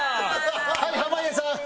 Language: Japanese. はい濱家さん！